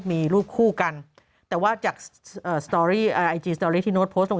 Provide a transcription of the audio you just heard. มีรูปคู่กันแต่ว่าจากสตอรี่ไอจีสตอรี่ที่โน้ตโพสต์ลง